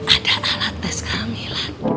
ada alat tes kehamilan